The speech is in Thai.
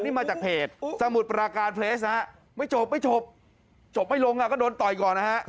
นี่มาจากเพจสมุทรปราการเพลสนะฮะไม่จบไม่จบจบไม่ลงก็โดนต่อยก่อนนะฮะ